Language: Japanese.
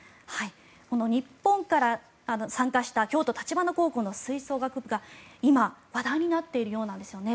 日本から参加した京都橘高校の吹奏楽部が今、話題になっているようなんですよね。